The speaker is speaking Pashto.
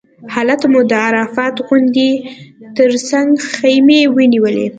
هلته مو د عرفات غونډۍ تر څنګ خیمې ونیولې.